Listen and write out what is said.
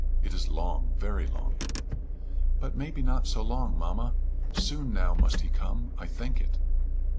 It is long very long." "But, maybe, not so long, mamma. Soon now must he come. I think it."